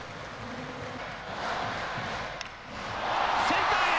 センターへ！